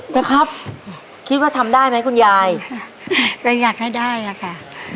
นะครับคิดว่าทำได้ไหมคุณยายก็อยากให้ได้อะค่ะ